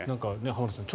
浜田さん